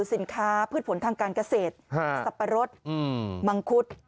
สินค้าพืชผลทางการเกษตรสับปะรดมังคุด